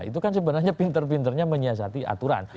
itu kan sebenarnya pinter pinternya menyiasati aturan